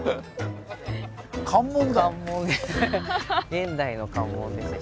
現代の関門ですね。